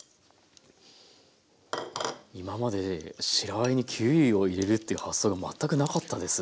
今まで白あえにキウイを入れるっていう発想が全くなかったです。